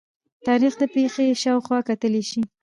تاریخ د پېښې شا او خوا کتلي شي.